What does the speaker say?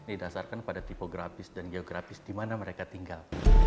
didasarkan pada tipografis dan geografis di mana mereka tinggal